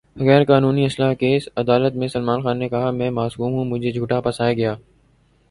غیر قانونی اسلحہ کیس : عدالت میں سلمان خان نے کہا : میں معصوم ہوں ، مجھے جھوٹا پھنسایا گیا